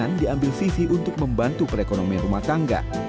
dan diambil sisi untuk membantu perekonomian rumah tangga